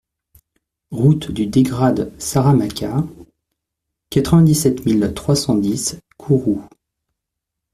Route du Dégrad Saramaca, quatre-vingt-dix-sept mille trois cent dix Kourou